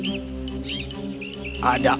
oh ini enak